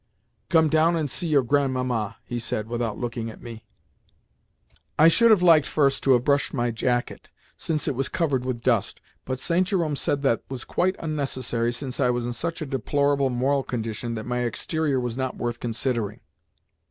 "Come down and see your Grandmamma," he said without looking at me. I should have liked first to have brushed my jacket, since it was covered with dust, but St. Jerome said that that was quite unnecessary, since I was in such a deplorable moral condition that my exterior was not worth considering.